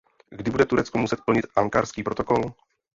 Kdy bude Turecko muset plnit Ankarský protokol?